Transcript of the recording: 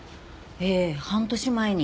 ええ半年前に。